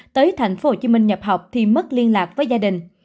tới tp hcm nhập học thì mất liên lạc với gia đình